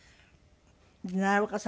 奈良岡さん